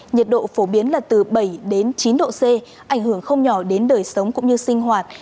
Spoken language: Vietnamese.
nhiệt độ phổ biến là từ bảy đến chín độ c ảnh hưởng không nhỏ đến đời sống cũng như sinh hoạt